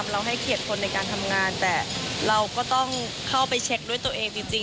ให้เกียรติคนในการทำงานแต่เราก็ต้องเข้าไปเช็คด้วยตัวเองจริง